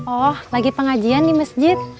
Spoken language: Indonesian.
oh lagi pengajian di masjid